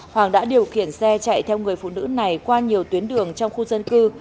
hoàng đã điều khiển xe chạy theo người phụ nữ này qua nhiều tuyến đường trong khu dân cư